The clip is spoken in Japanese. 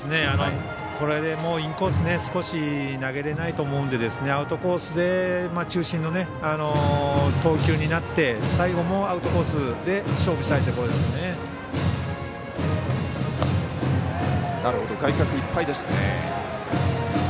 これで、インコース少し投げれないと思うんで、アウトコース中心の投球になって最後もアウトコースで勝負したいところですね。